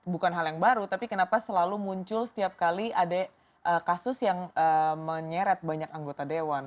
bukan hal yang baru tapi kenapa selalu muncul setiap kali ada kasus yang menyeret banyak anggota dewan